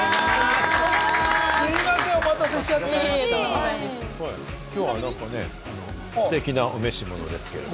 すみません、お待たせしちゃって。ステキなお召し物ですけれども。